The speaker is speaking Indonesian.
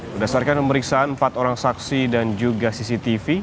berdasarkan pemeriksaan empat orang saksi dan juga cctv